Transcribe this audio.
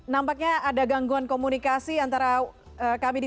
nampaknya ada gangguan komunikasi antara kami di